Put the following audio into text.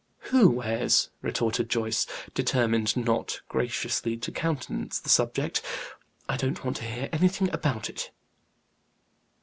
"Who wears?" retorted Joyce, determined not graciously to countenance the subject. "I don't want to hear anything about it."